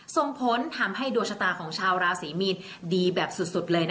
ส่งผลทำให้ดวงชะตาของชาวราศรีมีนดีแบบสุดเลย